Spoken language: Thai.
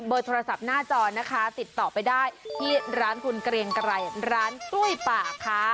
เบอร์โทรศัพท์หน้าจอนะคะติดต่อไปได้ที่ร้านธุลเกรงกะไหล่ร้านจุ้ยป่าค่ะ